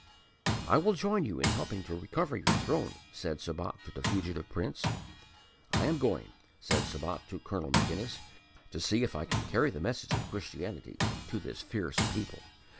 "I will join you in helping to recover your throne," said Sabat to the fugitive Prince. "I am going," said Sabat to Colonel MacInnes, "to see if I can carry the message of Christianity to this fierce people."